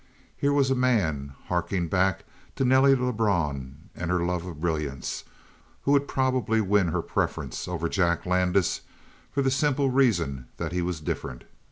Here was a man, harking back to Nelly Lebrun and her love of brilliance, who would probably win her preference over Jack Landis for the simple reason that he was different.